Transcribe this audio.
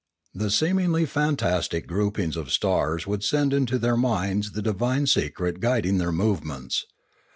The seemingly fantastic groupings of stars would send into their minds the divine secret guiding their movements.